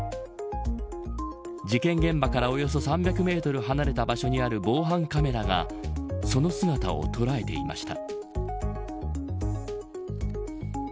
事件現場からおよそ３００メートル離れた場所にある防犯カメラがその姿を捉えていました。